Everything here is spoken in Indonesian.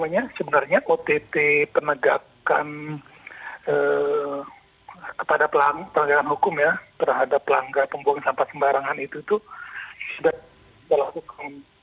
sebenarnya ott penegakan kepada pelanggaran hukum ya terhadap pelanggar pembuang sampah sembarangan itu sudah dilakukan